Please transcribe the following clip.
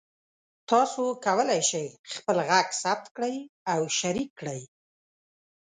تاسو کولی شئ خپل غږ ثبت کړئ او شریک کړئ.